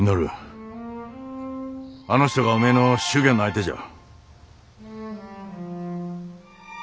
あの人がおめえの祝言の相手じゃ。